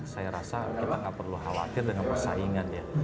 saya rasa kita nggak perlu khawatir dengan persaingan ya